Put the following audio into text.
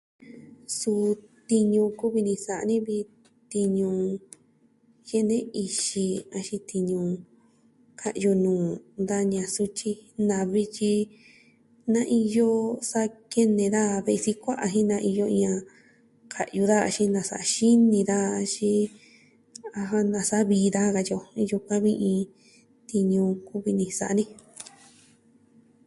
Suu tiñu kuvi ni sa'a ni vi tiñu jie'ne ixi, axin tiñu ka'yu nuu da ña'an sutyi navi tyi naa iyo sa kene daja ve'i sikua'a jen naa iyo a ka'yu daja axin nasa'a xini daja, axin ajan, nasa'a vii daja, katyi o jen yukuan vi iin tiñu kuvi ni sa'a ni.